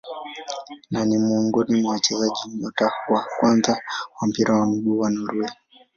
Na ni miongoni mwa wachezaji nyota wa kwanza wa mpira wa miguu wa Norway.